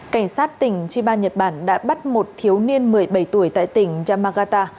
cảnh sát tỉnh chiba nhật bản đã bắt một thiếu niên một mươi bảy tuổi tại tỉnh yamagata